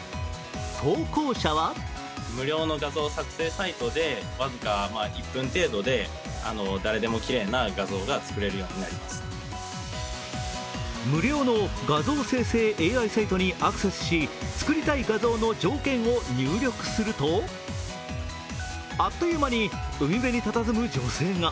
投稿者は無料の画像生成ＡＩサイトにアクセスし、作りたい画像の条件を入力するとあっという間に海辺にたたずむ女性が。